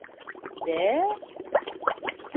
- Дә-ә?